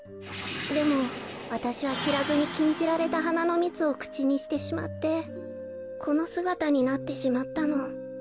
でもわたしはしらずにきんじられたはなのみつをくちにしてしまってこのすがたになってしまったの。